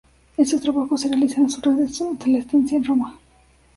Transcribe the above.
Estos trabajos se realizan a su regreso de la estancia en Roma.